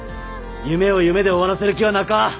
夢を夢で終わらせる気はなか。